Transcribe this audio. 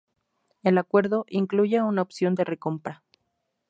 El acuerdo incluye una opción de recompra.